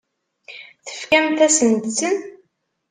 Tefkamt-asent-ten?